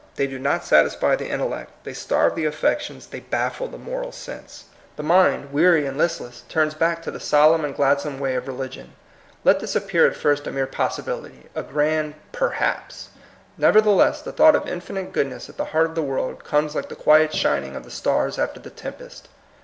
They do not satisfy the inteU lect, they starve the affections^ they baffle the moral sense. yjww^j 196 THE COMING PEOPLE. The mind, weary and listless, turns back to the solemn and gladsome way of reli gion. Let this appear at fii*st a mere possi bility, a grand Perhaps; nevertheless, the thought of infinite goodness at the heart of the world comes like the quiet shining of the stars after the tempest.